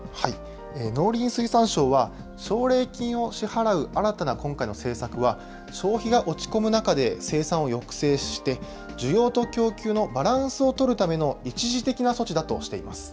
農林水産省は、奨励金を支払う新たな今回の政策は、消費が落ち込む中で生産を抑制して、需要と供給のバランスを取るための一時的な措置だとしています。